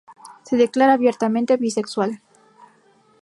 Se declara abiertamente bisexual.